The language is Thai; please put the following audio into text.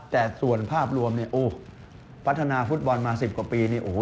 แต่ส่วนภาพรวมพัฒนาฟุตบอลมา๑๐กว่าปี